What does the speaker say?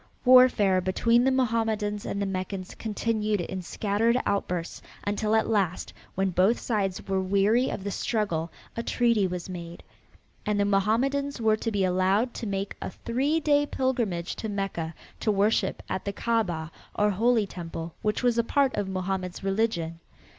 Warfare between the Mohammedans and the Meccans continued in scattered outbursts until at last when both sides were weary of the struggle a treaty was made, and the Mohammedans were to be allowed to make a three day pilgrimage to Mecca to worship at the Kaabah or holy temple which was a part of Mohammed's religion.